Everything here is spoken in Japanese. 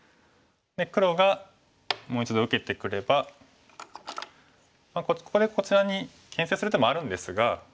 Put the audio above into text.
黒がもう一度受けてくればここでこちらにけん制する手もあるんですが。